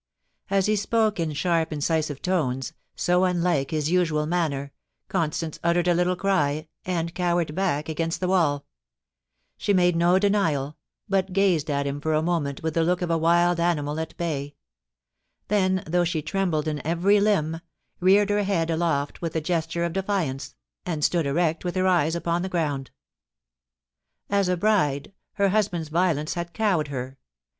As he spoke in sharp incisive tones, so unlike his usual manner, Constance uttered a little cry, and cowered back against the wall She made no denial, but gazed at him for a moment ?dth the look of a wild animal at bay ; then, though she trembled in every limb, reared her head aloft with a gesture of defiance, and stood erect with her eyes upon the ground As a bride, her husband's violence had cowed her.